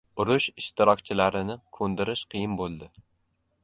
Urush ishtirokchilarini ko‘ndirish qiyin bo‘ldi.